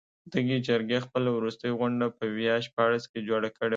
دغې جرګې خپله وروستۍ غونډه په ویا شپاړس کې جوړه کړې وه.